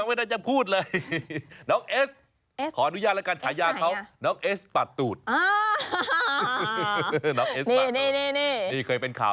มาหาคุณชนะค่ะ